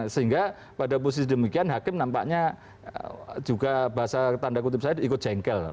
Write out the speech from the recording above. sehingga pada posisi demikian hakim nampaknya juga bahasa tanda kutip saya ikut jengkel